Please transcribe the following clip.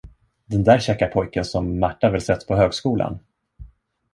Den där käcka pojken som Märta väl sett på högskolan?